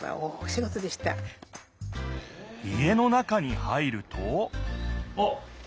家の中に入るとあっ！